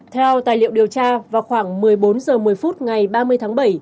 theo tài liệu điều tra vào khoảng một mươi bốn h một mươi phút ngày ba mươi tháng bảy